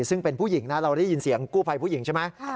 ซึ่งเป็นผู้หญิงนะเราได้ยินเสียงกู้ภัยผู้หญิงใช่ไหม